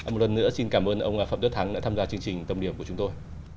một lần nữa xin cảm ơn ông phạm đức thắng đã tham gia chương trình tâm điểm của chúng tôi